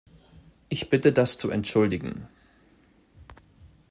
Ich bitte das zu entschuldigen!